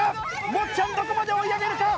もっちゃんどこまで追い上げるか？